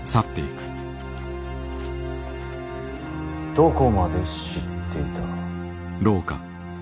どこまで知っていた。